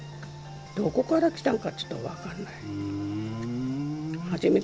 どこから来たんかちょっと分かんない。